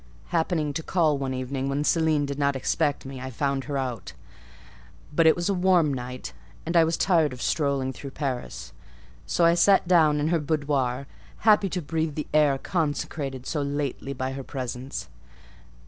Happening to call one evening when Céline did not expect me, I found her out; but it was a warm night, and I was tired with strolling through Paris, so I sat down in her boudoir; happy to breathe the air consecrated so lately by her presence.